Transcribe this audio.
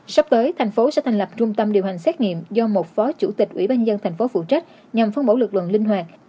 sắp tới thành phố sẽ thành lập trung tâm điều hành xét nghiệm do một phó chủ tịch ủy ban nhân thành phố phụ trách nhằm phân bổ lực lượng linh hoạt